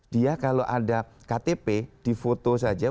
dia kalau ada ktp di foto saja